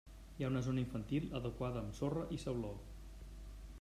Hi ha una zona infantil adequada amb sorra i sauló.